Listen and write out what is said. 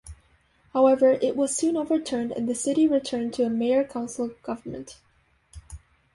However, it was soon overturned and the city returned to a mayor-council government.